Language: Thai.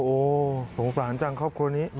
โอ้โหสงสารจังครอบครัวนี้